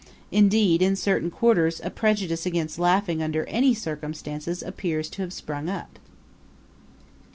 Indeed, in certain quarters a prejudice against laughing under any circumstances appears to have sprung up.